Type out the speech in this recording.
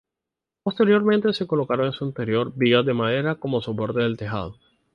Posteriormente se colocaron en su interior vigas de madera como soporte del tejado.